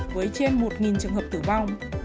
với trên một trường hợp tử vong